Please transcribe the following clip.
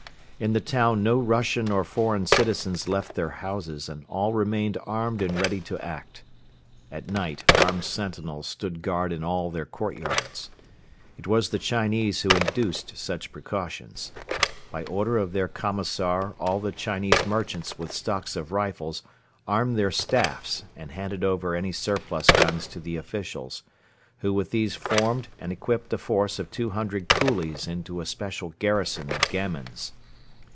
In the town no Russian or foreign citizens left their houses and all remained armed and ready to act. At night armed sentinels stood guard in all their court yards. It was the Chinese who induced such precautions. By order of their Commissioner all the Chinese merchants with stocks of rifles armed their staffs and handed over any surplus guns to the officials, who with these formed and equipped a force of two hundred coolies into a special garrison of gamins.